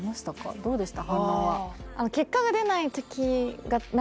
どうでしたか？